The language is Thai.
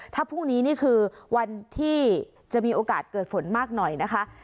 ถ้าพรุ่งนี้นี่คือวันที่จะมีโอกาสเกิดฝนมากหน่อยนะคะ